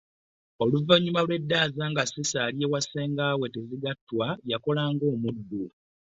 Oluvannyuma lw'eddaaza nga Cissy ali ewa Ssengaawe Tezigattwa yakola ng'omuddu.